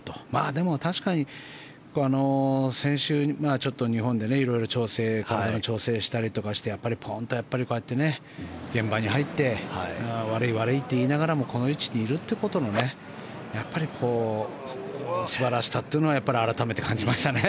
でも確かに先週ちょっと日本で調整体の調整したりとかしてポーンと現場に入って悪い悪いと言いながらもこの位置にいるということのやっぱり素晴らしさというのは改めて感じましたね。